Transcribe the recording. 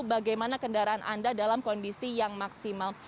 bagaimana kendaraan anda dalam kondisi yang maksimal